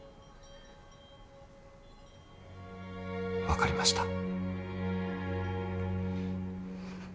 分かりました。